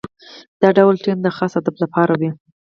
دا ډول ټیم د خاص هدف لپاره وي.